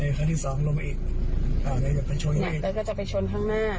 เนี้ยครั้งที่สองลงมาอีกอ่าเนี้ยจะไปชงอีกเนี้ยแล้วก็จะไปชนข้างหน้า